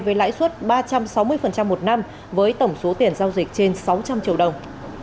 với lãi suất ba trăm sáu mươi một năm với tổng số tiền giao dịch trên sáu trăm linh triệu đồng